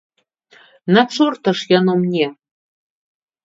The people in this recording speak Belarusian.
На чорта ж яно мне?